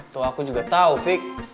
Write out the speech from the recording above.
tuh aku juga tau fik